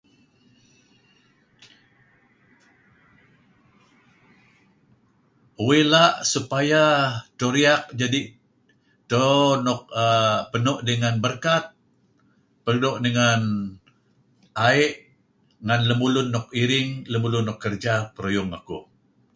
Uih la' supayah dto riyak jadi' dto nuk uhm nuk penu' dengan berkat, penu' dengan aih, ngen lemulun nuk iring lemulun nuk kerja peruyung ngekuh.